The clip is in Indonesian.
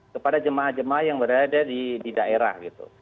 kepada jemaah jemaah yang berada di daerah gitu